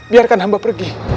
biarkan hamba pergi